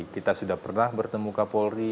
kita sudah pernah bertemu ke polri